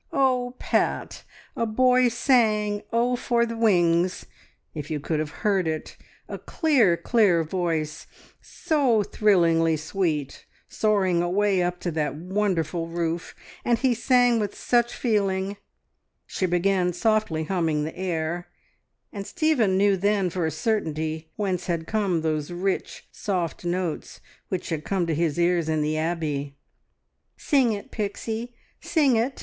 "Oh, Pat, a boy sang `Oh, for the wings'! If you could have heard it! A clear, clear voice, so thrillingly sweet, soaring away up to that wonderful roof. And he sang with such feeling." ... She began softly humming the air, and Stephen knew then for a certainty whence had come those rich, soft notes which had come to his ears in the Abbey. "Sing it, Pixie, sing it!"